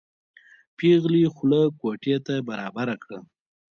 پېغلې خوله کوټې ته برابره کړه.